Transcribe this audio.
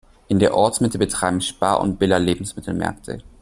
In der Ortsmitte betreiben Spar und Billa Lebensmittelmärkte.